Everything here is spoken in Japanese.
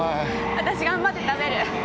わたし頑張って食べる。